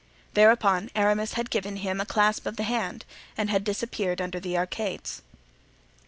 Thereupon Aramis had given him a clasp of the hand and had disappeared under the arcades.